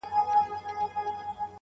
o بابا مه گوره، خورجين ئې گوره٫